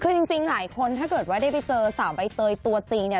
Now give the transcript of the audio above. คือจริงหลายคนถ้าเกิดว่าได้ไปเจอสาวใบเตยตัวจริงเนี่ย